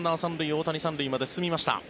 大谷、３塁まで進みました。